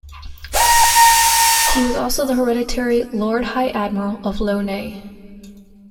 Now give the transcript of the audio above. He was also the Hereditary Lord High Admiral of Lough Neagh.